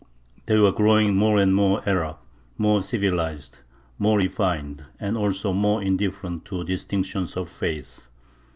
They were growing more and more Arab; more civilized, more refined, and also more indifferent to distinctions of faith.